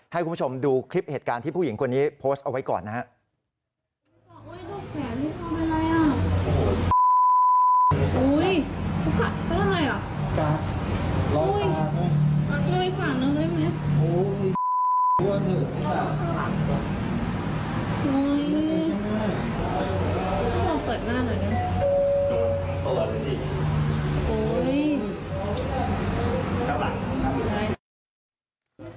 ให้คุณผู้ชมดูคลิปเหตุการณ์ที่ผู้หญิงคนนี้โพสต์เอาไว้ก่อนนะครับ